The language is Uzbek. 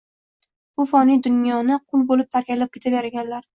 bu foniy dunyoni qul bo’lib tark aylab ketaverganlar.